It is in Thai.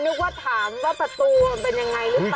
นึกว่าถามว่าประตูมันเป็นยังไงหรือเปล่า